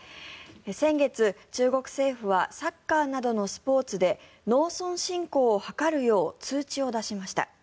先月、中国政府はサッカーなどのスポーツで農村振興を図るよう通知を出しました。